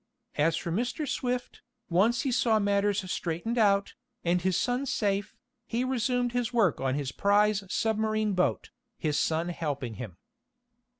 As for Mr. Swift, once he saw matters straightened out, and his son safe, he resumed his work on his prize submarine boat, his son helping him.